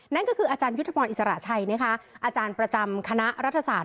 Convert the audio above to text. นั่นก็คืออาจารยุทธพรอิสระชัยนะคะอาจารย์ประจำคณะรัฐศาสต